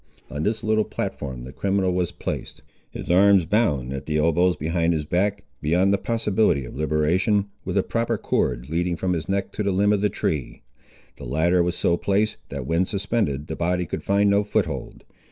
On this little platform the criminal was placed, his arms bound at the elbows behind his back, beyond the possibility of liberation, with a proper cord leading from his neck to the limb of the tree. The latter was so placed, that when suspended the body could find no foot hold.